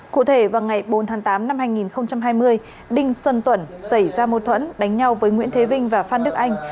cụ thể vào ngày bốn tháng tám năm hai nghìn hai mươi đinh xuân tuẩn xảy ra mâu thuẫn đánh nhau với nguyễn thế vinh và phan đức anh